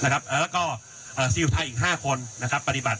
แล้วก็ซิลไทยอีก๕คนปฏิบัติ